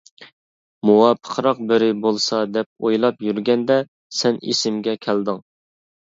مۇۋاپىقراق بىرى بولسا دەپ ئويلاپ يۈرگەندە سەن ئېسىمگە كەلدىڭ.